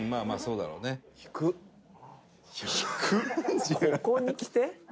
トシ：ここに来て？